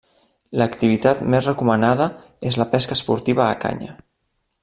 L'activitat més recomanada és la pesca esportiva a canya.